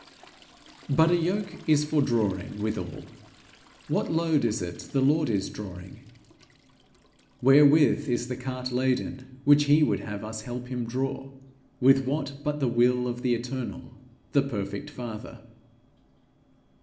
But a yoke is for drawing withal: what load is it the Lord is drawing? Wherewith is the cart laden which he would have us help him draw? With what but the will of the eternal, the perfect Father?